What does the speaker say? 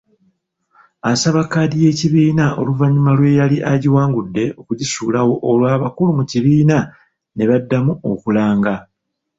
Asaba kkaadi y'ekibiina oluvannyuma lw'eyali agiwangudde okugisuulawo olwo abakulu mu kibiina ne baddamu okulanga.